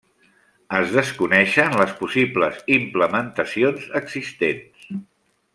Es desconeixen les possibles implementacions existents.